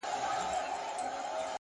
هره ورځ د بدلون نوی امکان لري